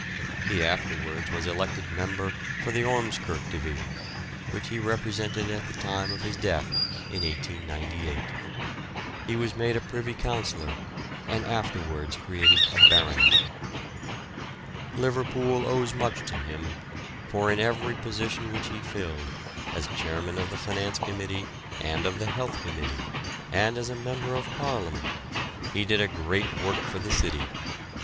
He afterwards was elected member for the Ormskirk division, which he represented at the time of his death in 1898. He was made a Privy Councillor and afterwards created a baronet. Liverpool owes much to him, for in every position which he filled, as Chairman of the Finance Committee and of the Health Committee, and as a Member of Parliament, he did a great work for the city.